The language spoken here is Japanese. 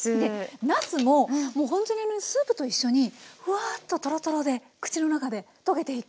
なすもほんとにスープと一緒にふわっとトロトロで口の中で溶けていく。